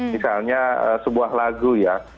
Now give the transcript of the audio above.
misalnya sebuah lagu ya